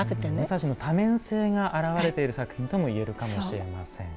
武蔵の多面性が表れている作品とも言えるかもしれません。